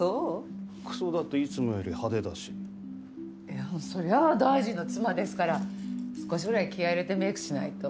いやそりゃ大臣の妻ですから少しぐらい気合入れてメイクしないと。